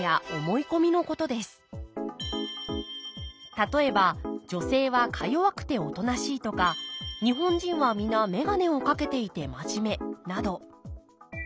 例えば女性はかよわくておとなしいとか日本人は皆眼鏡を掛けていてまじめなど。